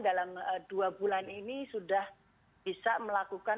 dalam dua bulan ini sudah bisa melakukan